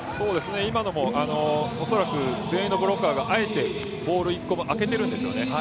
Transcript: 今のも、おそらく前衛のブロッカーがあえてボール１個分空けてるんですよね。